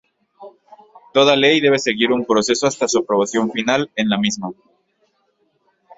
Toda ley debe seguir un proceso hasta su aprobación final en la misma.